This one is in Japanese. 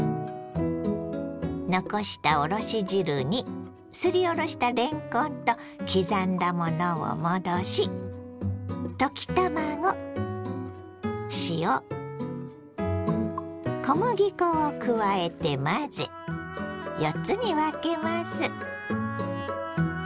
残したおろし汁にすりおろしたれんこんと刻んだものを戻しを加えて混ぜ４つに分けます。